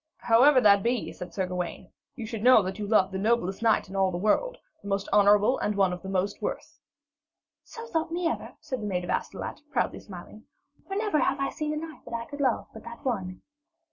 'How ever that be,' said Sir Gawaine, 'you should know that you love the noblest knight in all the world, the most honourable and one of the most worth.' 'So thought me ever,' said the maid of Astolat, proudly smiling; 'for never have I seen a knight that I could love but that one.'